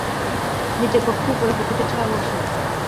নীচের পক্ষীটি উপরের পক্ষীটির ছায়ামাত্র।